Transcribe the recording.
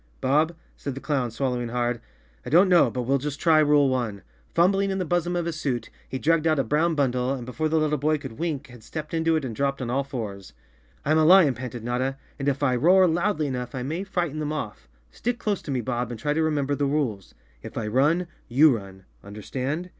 "Bob," said the clown, swallowing hard, "I don't know, but we'll just try rule one." Fumbling in the bosom of his suit he dragged out a brown bundle, and 40 _ Chapter Three before the little boy could wink had stepped into it and dropped on all fours. "I'm a lion," panted Notta, "and if I roar loudly enough I may frighten them off. Stick close to me, Bodb, and try to remember the rules. If I run, you run —understand?"